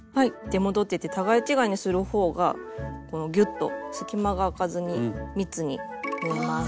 出戻ってて互い違いにするほうがギュッと隙間があかずに密に縫えます。